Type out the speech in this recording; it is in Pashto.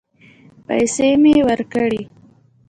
پيسې مې ورکړې.